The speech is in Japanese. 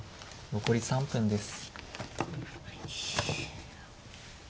残り３分です。